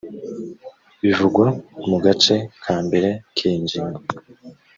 bivugwa mu gace ka mbere k’iyi ngingo